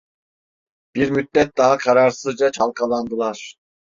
Bir müddet daha kararsızca çalkalandılar.